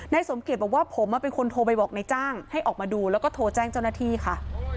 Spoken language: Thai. สมเกียจบอกว่าผมเป็นคนโทรไปบอกนายจ้างให้ออกมาดูแล้วก็โทรแจ้งเจ้าหน้าที่ค่ะ